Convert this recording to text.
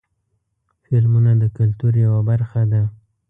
فلمونه د کلتور یوه برخه ده.